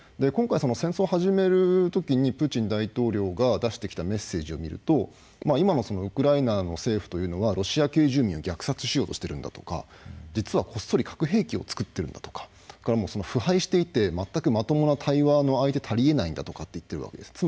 今回戦争を始めるときにプーチン大統領が出してきたメッセージを見ると今のウクライナの政府というのはロシア系住民を虐殺しようとしてるんだとか実はこっそり核兵器を作っているんだとか腐敗していて全くまともな対話の相手たりえないんだとか言ってるわけです。